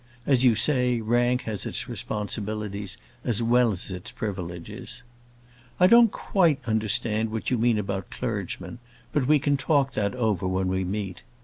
As you say, rank has its responsibilities as well as its privileges. I don't quite understand what you mean about clergymen, but we can talk that over when we meet.